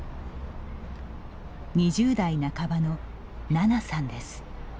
２０代半ばの、ななさんです。